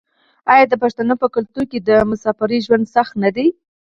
آیا د پښتنو په کلتور کې د مسافرۍ ژوند سخت نه دی؟